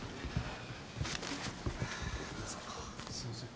すいません。